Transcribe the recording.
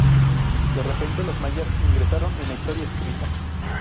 De repente los mayas ingresaron en la historia escrita.